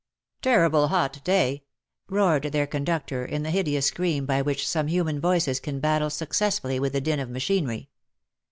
" Terrible hot day !" roared their conductor, in the hideous scream by which some human voices can battle successfully with the din of machinery.